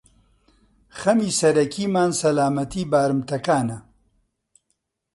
خەمی سەرەکیمان، سەلامەتیی بارمتەکانە.